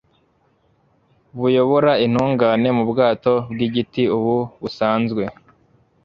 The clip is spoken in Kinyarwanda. buyobora intungane mu bwato bw'igiti ubu busanzwe